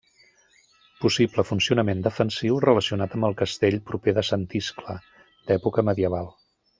Possible funcionament defensiu relacionat amb el castell proper de Sant Iscle, d'època medieval.